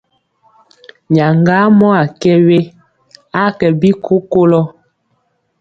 Nyaŋgamɔ a kɛ we, a kɛ bi kokolɔ.